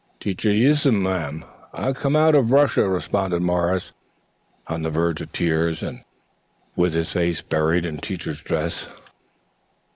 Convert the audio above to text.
"Teacher, yiss ma'an. I comes out of Russia," responded Morris, on the verge of tears and with his face buried in Teacher's dress.